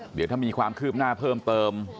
เดี๋ยวถ้ามีความคืบหน้าเพิ่มเติม